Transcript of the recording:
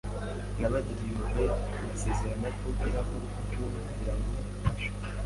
Nabagiriye impuhwe, mbasezeranya ko nzakora uko nshoboye kugira ngo mfashe.